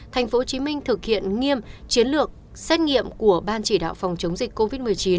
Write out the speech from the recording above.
tp hcm thực hiện nghiêm chiến lược xét nghiệm của ban chỉ đạo phòng chống dịch covid một mươi chín